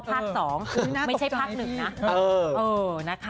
ภาค๒ไม่ใช่ภาค๑นะ